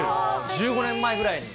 １５年前ぐらいに。